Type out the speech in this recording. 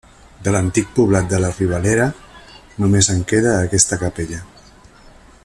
De l'antic poblat de la Ribalera, només en queda aquesta capella.